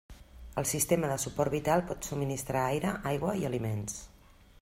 El sistema de suport vital pot subministrar aire, aigua i aliments.